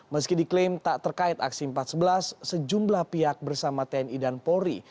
meski diklaim tak terkait aksi empat sebelas sejumlah pihak bersama tni dan polri